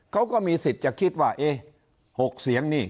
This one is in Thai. เขาก็มีสิทธิ์จะคิดว่าเอ๊ะ๖เสียงนี่